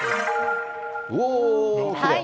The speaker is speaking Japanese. うおー、きれい。